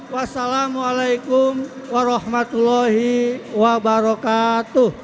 wassalamu'alaikum warahmatullahi wabarakatuh